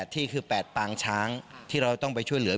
ที่คือ๘ปางช้างที่เราต้องไปช่วยเหลือ